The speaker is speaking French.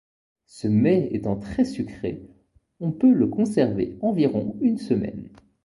Ce mets étant très sucré, on peut le conserver environ une semaine.